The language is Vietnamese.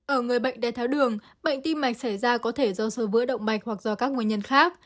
ở người bệnh đai tháo đường bệnh tim mạch xảy ra có thể do sờ vữa động mạch hoặc do các nguyên nhân khác